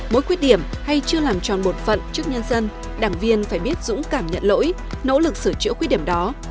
mỗi khuyết điểm hay chưa làm tròn bột phận trước nhân dân đảng viên phải biết dũng cảm nhận lỗi nỗ lực sửa chữa khuyết điểm đó